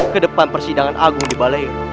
kedepan persidangan agung di balarium